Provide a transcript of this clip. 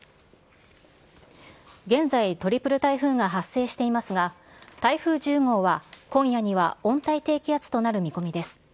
現在、トリプル台風が発生していますが、台風１０号は、今夜には温帯低気圧となる見込みです。